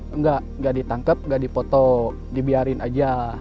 enggak enggak ditangkap enggak dipotok dibiarin aja